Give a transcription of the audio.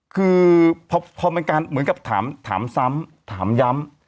คือพอเป็นการเหมือนกับถามซ้ำถามย้ำ